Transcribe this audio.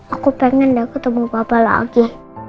aku pengen deh aku ketemu papa lagi